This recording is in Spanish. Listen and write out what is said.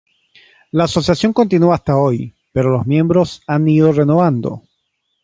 La asociación continúa hasta hoy, pero los miembros se han ido renovando.